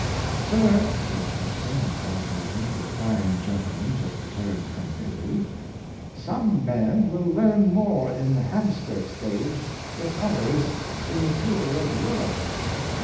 " Sir," said Johnson, on one occasion, to a fine gentleman just returned from Italy, " some men will learn more in the Hampstead stage than others in the tour of Europe."